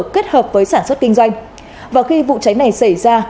kết hợp với sản xuất kinh doanh và khi vụ cháy này xảy ra